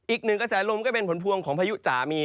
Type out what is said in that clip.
อีกหนึ่งกระแสลมก็เป็นผลพวงของพายุจะมี